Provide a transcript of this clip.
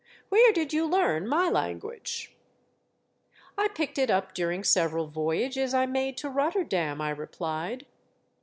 Where did you learn my language ?"" I picked it up during several voyages I made to Rotterdam," I replied.